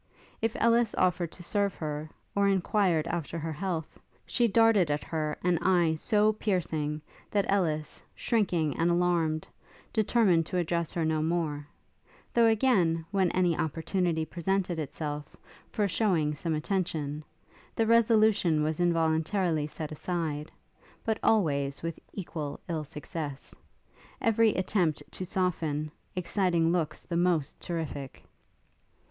If Ellis offered to serve her, or enquired after her health, she darted at her an eye so piercing, that Ellis, shrinking and alarmed, determined to address her no more; though again, when any opportunity presented itself, for shewing some attention, the resolution was involuntarily set aside; but always with equal ill success, every attempt to soften, exciting looks the most terrific.